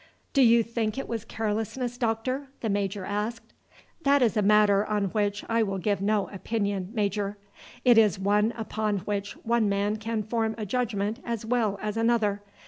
"Do you think it was carelessness, doctor?" the major asked. "That is a matter on which I will give no opinion, major. It is one upon which one man can form a judgment as well as another.